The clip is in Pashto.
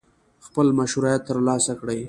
خپل مشروعیت ترلاسه کړي.